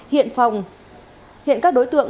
hiện phòng hiện các đối tượng